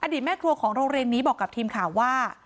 แม่ครัวของโรงเรียนนี้บอกกับทีมข่าวว่า